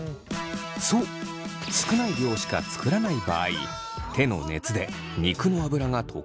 そう少ない量しか作らない場合手の熱で肉の脂が溶けだします。